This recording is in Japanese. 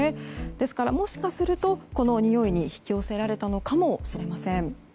ですからもしかするとこのにおいに引き寄せられたのかもしれません。